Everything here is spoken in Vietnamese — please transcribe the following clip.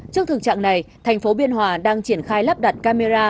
trước thực trạng này thành phố biên hòa đang triển khai lắp đặt camera